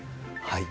はい。